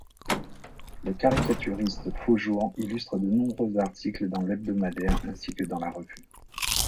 Le caricaturiste faujour illustre de nombreux articles dans l'hebdomadaire ainsi que dans la revue.